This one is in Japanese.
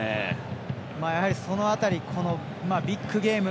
やはり、その辺りビッグゲーム